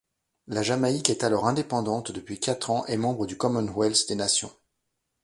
La Jamaïque est alors indépendante depuis quatre ans, et membre du Commonwealth des Nations.